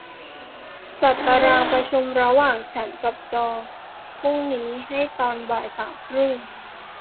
จัดตารางประชุมระหว่างฉันกับจอห์นพรุ่งนี้ให้ตอนบ่ายสามครึ่ง